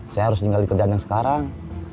saya harus tinggal di kerjaan yang sekarang